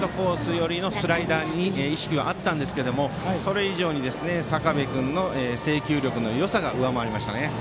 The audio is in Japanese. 寄りのスライダーに意識があったんですがそれ以上に坂部君の制球力のよさが上回りました。